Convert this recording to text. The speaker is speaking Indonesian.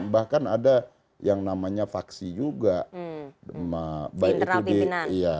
bahkan ada yang namanya faksi juga